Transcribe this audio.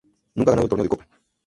Nunca ha ganado el torneo de copa.